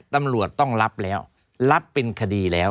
ตำรวจต้องรับแล้วรับเป็นคดีแล้ว